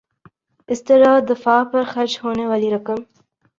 اس طرح دفاع پر خرچ ہونے والی رقم